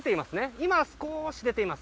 今、少し出ています。